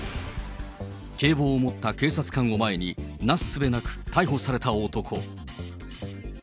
警棒を持った警察官を前になすすべなく逮捕された男。